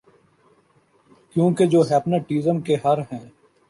کیونکہ جو ہپناٹزم کے ہر ہیں